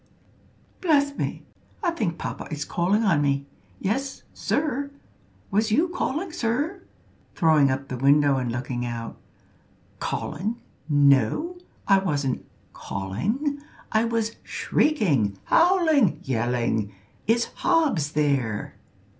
"Bless me, I think papa is calling on me. Yes, sir. Was you calling, sir?" (throwing up the window and looking out.) "Calling! no; I wasn't `calling.' I was shrieking, howling, yelling. Is Hobbs there?"